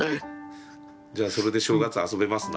じゃあそれで正月遊べますな。